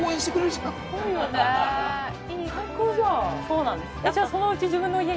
そうなんです。